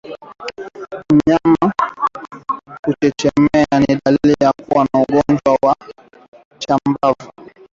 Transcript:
Mnyama kuchechemea ni dalili muhimu za ugonjwa wa chambavu